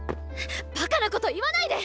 ばかなこと言わないで！